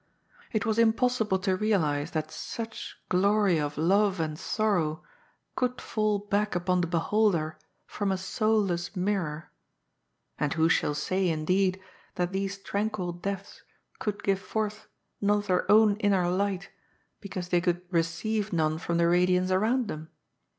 It was impossible to realize that such glory of love and sorrow could fall back upon the beholder from a soulless mirror. And who shall say, indeed, that these tranquil depths could give forth none of their own inner light because they could 84 GOD'S FOOL. receiye none from the radiance around them?